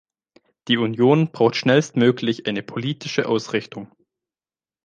Die Union braucht schnellstmöglich eine politische Ausrichtung.